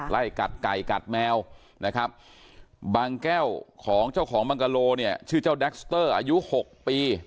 ไล่กัดไก่กัดแมวบางแก้วของเจ้าของมังกะโลชื่อเด็กสเตอร์อายุ๖ปี